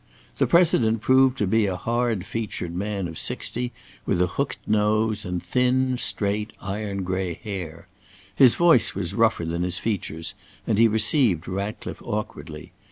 The President proved to be a hard featured man of sixty, with a hooked nose and thin, straight, iron gray hair. His voice was rougher than his features and he received Ratcliffe awkwardly.